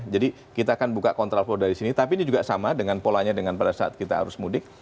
jadi kita akan buka kontra flow dari sini tapi ini juga sama dengan polanya dengan pada saat kita arus mudik